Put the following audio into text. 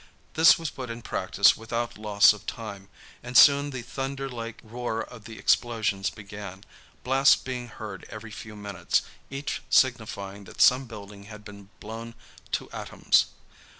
This was put in practice without loss of time, and soon the thunder like roar of the explosions began, blasts being heard every few minutes, each signifying that some building had been blown to atoms.